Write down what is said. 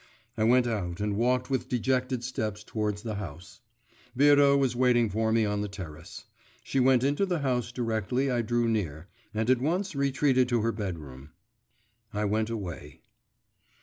I went out and walked with dejected steps towards the house. Vera was waiting for me on the terrace; she went into the house directly I drew near, and at once retreated to her bedroom. I went away.